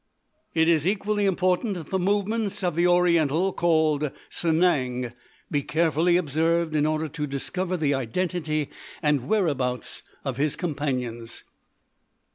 _ "_It is equally important that the movements of the Oriental, called Sanang, be carefully observed in order to discover the identity and whereabouts of his companions.